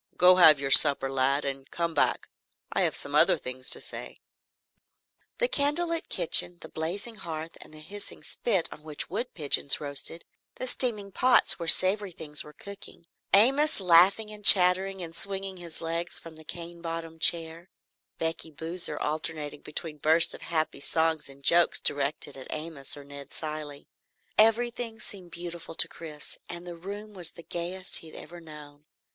"Go have your supper lad, and come back. I have some other things to say." The candlelit kitchen, the blazing hearth, the hissing spit on which wood pigeons roasted; the steaming pots where savory things were cooking; Amos laughing and chattering and swinging his legs from the cane bottomed chair; Becky Boozer alternating between bursts of happy song and jokes directed at Amos or Ned Cilley, everything seemed beautiful to Chris and the room the gayest he had ever known.